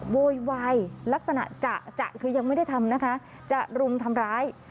โวยวายลักษณะจะคือยังไม่ได้ทำนะคะจะรุมทำร้าย